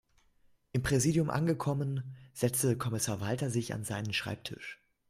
Im Präsidium angekommen, setzte Kommissar Walter sich an seinen Schreibtisch.